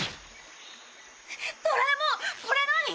ドラえもんこれ何？